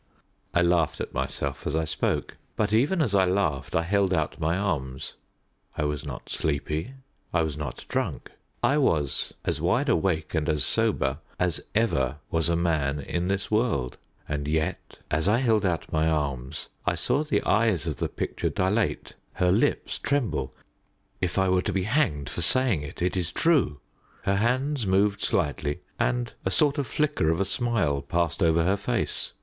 I laughed at myself as I spoke; but even as I laughed I held out my arms. I was not sleepy; I was not drunk. I was as wide awake and as sober as ever was a man in this world. And yet, as I held out my arms, I saw the eyes of the picture dilate, her lips tremble if I were to be hanged for saying it, it is true. Her hands moved slightly, and a sort of flicker of a smile passed over her face.